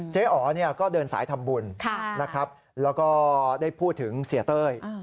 เจ๋อ๋อก็เดินสายทำบุญแล้วก็ได้พูดถึงเสียเต้ย